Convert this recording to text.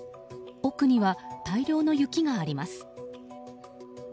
奥には大量の雪があります。